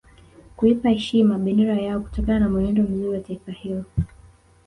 Kuipa heshima bendera yao kutokana na mwenendo mzuri wa taifa hilo